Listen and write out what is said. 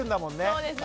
そうですね。